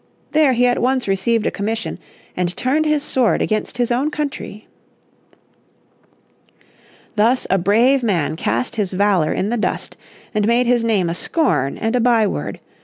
There he at once received a commission, and turned his sword against his own country. Thus a brave man cast his valour in the dust, and made his name a scorn and a by word.